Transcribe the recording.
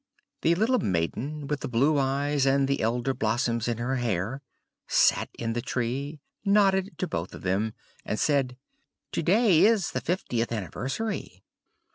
The little maiden, with the blue eyes, and with Elder blossoms in her hair, sat in the tree, nodded to both of them, and said, "To day is the fiftieth anniversary!"